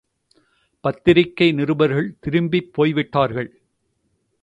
பத்திரிகை நிருபர்கள் திரும்பிப் போய்விட்டார்கள்.